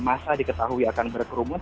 masa diketahui akan berkerumun